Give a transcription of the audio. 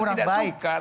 bukan tidak suka